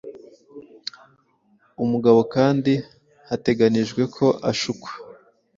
u mugabokandi harateganijwe ko ashukwa